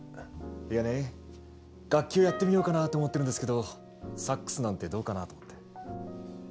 いやね楽器をやってみようかなって思ってるんですけどサックスなんてどうかなと思って。